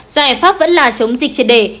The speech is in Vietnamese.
giải pháp vẫn là chống dịch triệt để